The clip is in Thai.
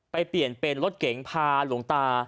เปลี่ยนเป็นรถเก๋งพาหลวงตา